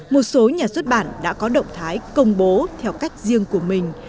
một số nhà xuất bản đã có động thái công bố theo cách riêng của mình